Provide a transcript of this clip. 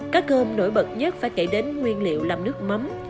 cá cơm nổi bật nhất phải kể đến nguyên liệu làm nước mắm